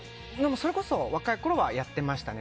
それこそ若いころはやってましたね。